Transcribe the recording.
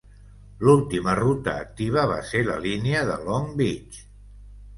L'última ruta activa va ser la línia de Long Beach.